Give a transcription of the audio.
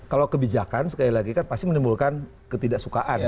kalau kebijakan sekali lagi kan pasti menimbulkan ketidaksukaan